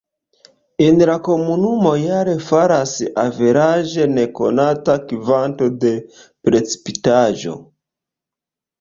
En la komunumo jare falas averaĝe ne konata kvanto de precipitaĵo.